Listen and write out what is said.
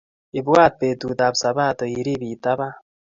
Ibwat peetutap sabato iriib itabaan